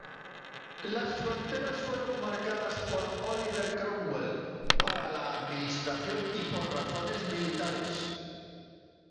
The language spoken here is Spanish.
Las fronteras fueron marcadas por Oliver Cromwell para la administración y por razones militares.